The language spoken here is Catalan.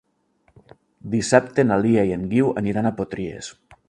Dissabte na Lia i en Guiu aniran a Potries.